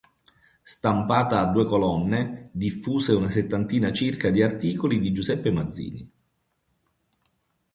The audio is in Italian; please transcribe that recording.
Stampata a due colonne, diffuse una settantina circa di articoli di Giuseppe Mazzini.